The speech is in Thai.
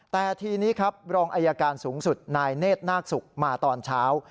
แต่ทีนี้ครับรองอายการสูงสุดนายเนธนาคศุกร์มาตอนเช้า